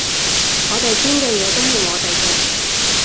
我哋捐嘅嘢都係我哋嘅